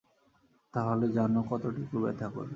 তাহলে জানো কতটুকু ব্যথা করবে।